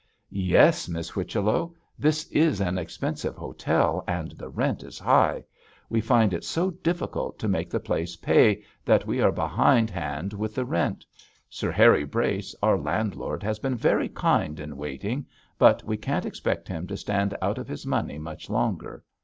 'Yes, Miss Whichello. This is an expensive hotel, and the rent is high. We find it so difficult to make the place pay that we are behindhand with the rent. Sir Harry Brace, our landlord, has been very kind in waiting, but we can't expect him to stand out of his money much longer.